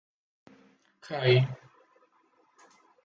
After the fire, the Reichstag Fire Decree was passed.